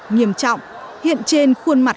nhiềm trọng hiện trên khuôn mặt